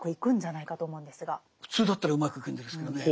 普通だったらうまくいくんですけどね